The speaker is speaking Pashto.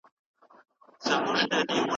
هغې په خپلو لړزېدلو لاسو د ګولیو پاکټ بیا ونیو.